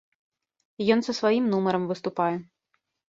Ён са сваім нумарам выступае.